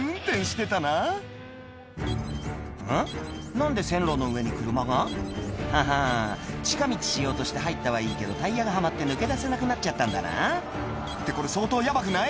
何で線路の上に車が？ははぁ近道しようとして入ったはいいけどタイヤがはまって抜け出せなくなっちゃったんだなってこれ相当ヤバくない？